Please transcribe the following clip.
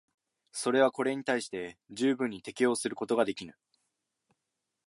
それはこれに対して十分に適応することができぬ。